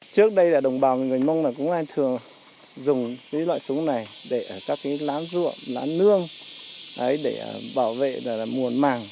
trước đây đồng bào người mông cũng thường dùng loại súng này để các lá ruộng lá nương để bảo vệ mùa mảng